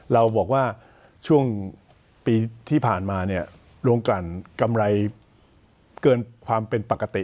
เราบอกว่าช่วงปีที่ผ่านมาเนี่ยโรงกลั่นกำไรเกินความเป็นปกติ